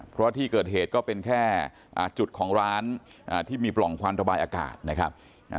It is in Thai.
เพราะที่เกิดเหตุก็เป็นแค่จุดของร้านที่มีปล่องความระบายอากาศนะครับ